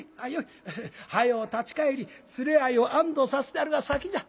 早う立ち帰り連れ合いを安どさせてやるが先じゃ。